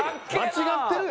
間違ってるよ。